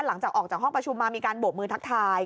หลังจากออกจากห้องประชุมมามีการโบกมือทักทาย